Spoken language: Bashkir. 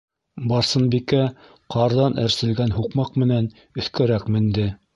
Барсынбикә ҡарҙан әрселгән һуҡмаҡ менән өҫкәрәк менде.